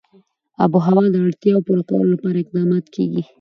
د آب وهوا د اړتیاوو پوره کولو لپاره اقدامات کېږي.